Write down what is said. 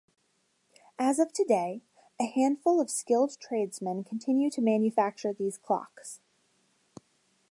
As of today, a handful of skilled tradesmen continue to manufacture these clocks.